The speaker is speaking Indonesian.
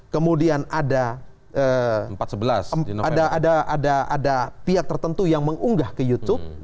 kemudian ada pihak tertentu yang mengunggah ke youtube